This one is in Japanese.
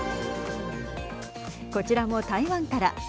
こちらも台湾から。